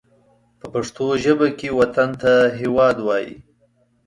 په پښتو ژبه کې وطن ته هېواد وايي